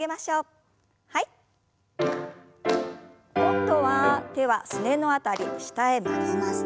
今度は手はすねの辺り下へ曲げます。